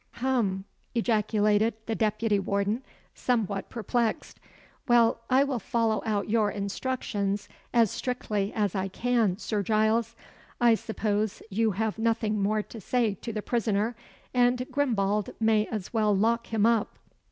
"Hum!" ejaculated the deputy warden, somewhat perplexed. "Well, I will follow out your instructions as strictly as I can, Sir Giles. I suppose you have nothing more to say to the prisoner, and Grimbald may as well lock him up."